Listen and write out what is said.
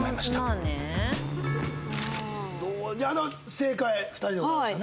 正解２人でございましたね。